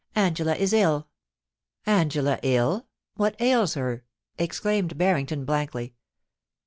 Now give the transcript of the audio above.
Angela is ilL' * Angela ill ! What ails her !' exclaimed Barrington, blankly.